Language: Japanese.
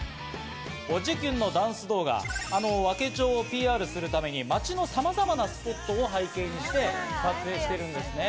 おじキュン！のダンス動画、和気町をＰＲするために町のさまざまなスポットを背景にして撮影しているんですね。